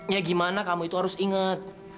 ya gimana kamu itu harus ingat